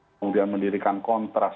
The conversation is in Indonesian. kemudian mendirikan kontras